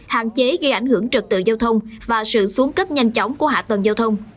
hạn chế gây ảnh hưởng trực tự giao thông và sự xuống cấp nhanh chóng của hạ tầng giao thông